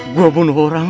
gua bunuh orang